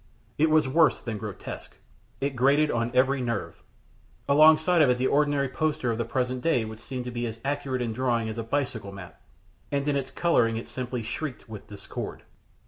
It was worse than grotesque. It grated on every nerve. Alongside of it the ordinary poster of the present day would seem to be as accurate in drawing as a bicycle map, and in its coloring it simply shrieked with discord.